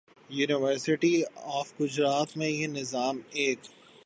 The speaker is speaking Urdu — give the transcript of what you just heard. یونیورسٹی آف گجرات میں یہ نظام ایک